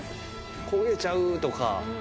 焦げちゃうとか。